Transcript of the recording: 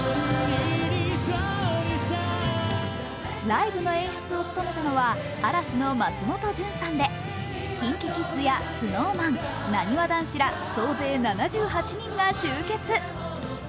ライブの演出を務めたのは嵐の松本潤さんでＫｉｎＫｉＫｉｄｓやＳｎｏｗＭａｎなにわ男子ら総勢７８人が集結。